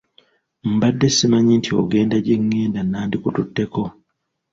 Mbadde simanyi nti ogenda gye ngenda nandikututteko.